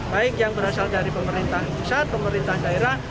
baik yang berasal dari pemerintah pusat pemerintah daerah